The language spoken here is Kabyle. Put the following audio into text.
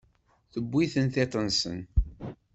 Tewwi-ten tiṭ-nsen.